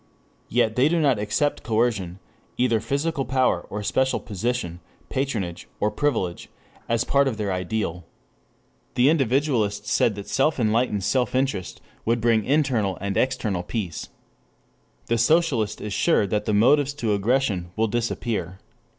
Yet they do not accept coercion, either physical power or special position, patronage, or privilege, as part of their ideal. The individualist said that self enlightened self interest would bring internal and external peace. The socialist is sure that the motives to aggression will disappear.